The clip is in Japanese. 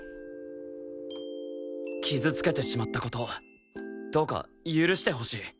傷つけてしまった事どうか許してほしい。